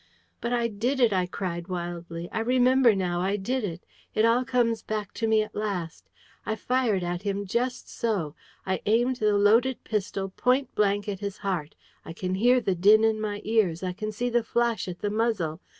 "But I did it!" I cried wildly. "I remember now, I did it. It all comes back to me at last. I fired at him, just so. I aimed the loaded pistol point blank at his heart, I can hear the din in my ears. I can see the flash at the muzzle.